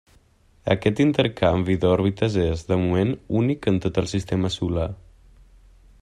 Aquest intercanvi d'òrbites és, de moment, únic en tot el sistema solar.